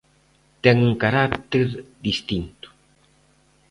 Ten un carácter distinto.